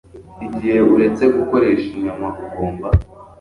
Igihe uretse gukoresha inyama ugomba